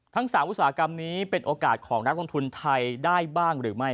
ทั้ง๓อุตสาหกรรมนี้เป็นโอกาสของนักลงทุนไทยได้บ้างหรือไม่